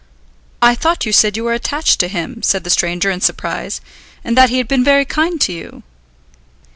"I thought you said you were attached to him," said the stranger in surprise, "and that he had been very kind to you?"